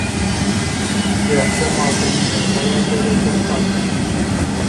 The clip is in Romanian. De acum avem nevoie de rezultate.